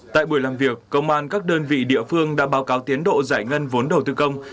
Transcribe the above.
tại buổi làm việc công an các đơn vị địa phương đã báo cáo tiến độ giải ngân vốn đầu tư công